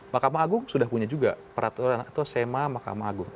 mahkamah agung sudah punya juga peraturan atau sema mahkamah agung